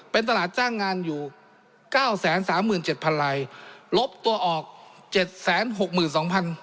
เป็นตลาดจ้างงานอยู่เก้าแสนสามหมื่นเจ็ดพันลายลบตัวออกเจ็ดแสนหกหมื่นสองพัน